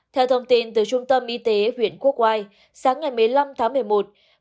theo thông tin từ trung tâm y tế huyện quốc oai sáng ngày một mươi năm tháng một mươi một